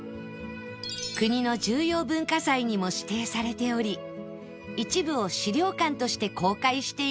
国の重要文化財にも指定されており一部を資料館として公開しているんです